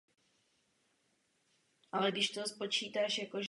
Podělili jsme se o nadšení moldavských lidí z nové budoucnosti.